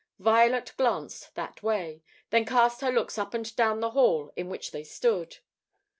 Violet glanced that way, then cast her looks up and down the hall in which they stood.